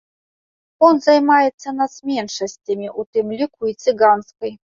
Фонд займаецца нацменшасцямі, у тым ліку і цыганскай.